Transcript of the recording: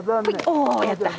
おやった。